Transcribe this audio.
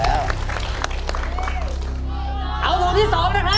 เอาถุงที่๒นะครับ